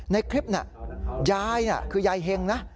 ในคลิปน่ะยายน่ะคือยายเห็งนะ